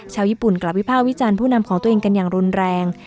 ชาวญี่ปุ่นกลับวิภาควิจารณ์ผู้นำของตัวเองกันอย่างรุนแรง